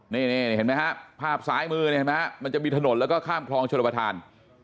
นี่ภาพซ้ายมือมันจะมีถนนแล้วก็ข้ามคลองชลปทาน